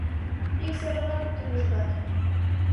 Ик семынак тӱлыжгат